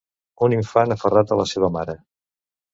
Un infant aferrat a la seva mare.